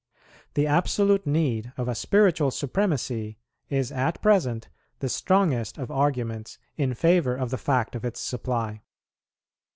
The absolute need of a spiritual supremacy is at present the strongest of arguments in favour of the fact of its supply.